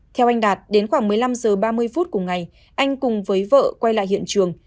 theo anh đạt đến khoảng một mươi năm h ba mươi phút cùng ngày anh cùng với vợ quay lại hiện trường